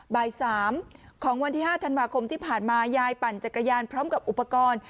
บ่าย๓ของวันที่๕ธันวาคมที่ผ่านมายายปั่นจักรยานพร้อมกับอุปกรณ์